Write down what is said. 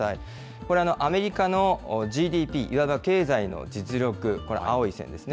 これ、アメリカのＧＤＰ、いわば経済の実力、この青い線ですね。